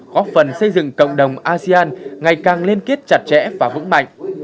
góp phần xây dựng cộng đồng asean ngày càng liên kết chặt chẽ và vững mạnh